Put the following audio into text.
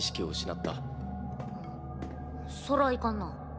んっそらいかんな。